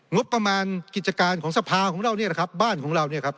งบประมาณกิจการของสภาของเราเนี่ยนะครับบ้านของเราเนี่ยครับ